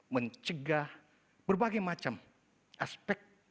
mencegah berbagai macam aspek